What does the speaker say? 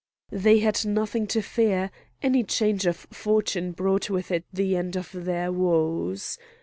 They had nothing to fear; any change of fortune brought with it the end of their woes.